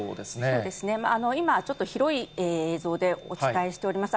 そうですね、今、ちょっと広い映像でお伝えしております。